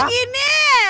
maaf kegedean tangannya